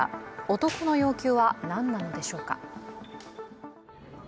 男の要求は何なのでしょうか？